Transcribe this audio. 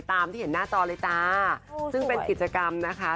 ตามที่เห็นหน้าจอเลยจ้าซึ่งเป็นกิจกรรมนะคะ